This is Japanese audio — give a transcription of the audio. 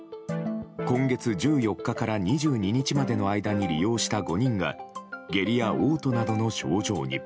今月１４日から２２日までの間に利用した５人が下痢や嘔吐などの症状に。